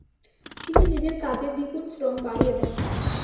তিনি নিজের কাজে দ্বিগুণ শ্রম বাড়িয়ে দেন।